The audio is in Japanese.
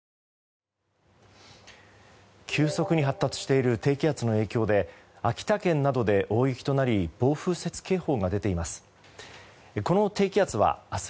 急速に発達している低気圧の影響で秋田県などで大雪となり暴風雪警報が出ています。